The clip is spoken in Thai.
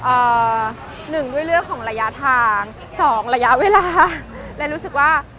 อ่าหนึ่งด้วยเรื่องของระยะทางสองระยะเวลาและรู้สึกว่า